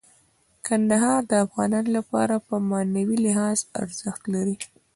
کندهار د افغانانو لپاره په معنوي لحاظ ارزښت لري.